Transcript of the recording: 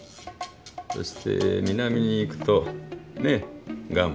そして南に行くとねえグアム。